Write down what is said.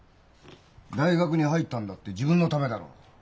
大学に入ったのだって自分のためだろうが。